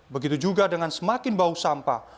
begitu juga dengan semakin bau sampah